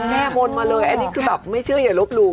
แก้บนมาเลยอันนี้คือแบบไม่เชื่ออย่าลบหลู่